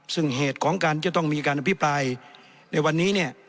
ซึ่งเหตุของการจะต้องมีการอภิปรายในวันนี้เนี่ย